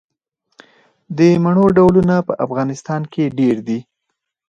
د مڼو ډولونه په افغانستان کې ډیر دي.